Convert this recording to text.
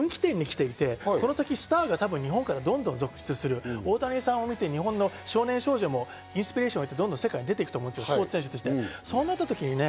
私ね、今ちょうど、分岐点に来ていて、この先、スターが日本からどんどん続出する、大谷さんを見て、日本の少年・少女も世界にどんどん出て行くと思うんです、スポーツ選手として。